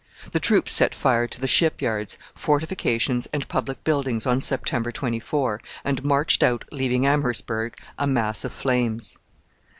The troops set fire to the shipyards, fortifications, and public buildings on September 24, and marched out leaving Amherstburg a mass of flames.